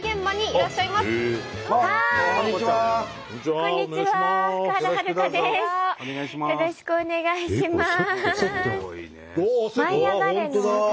よろしくお願いします。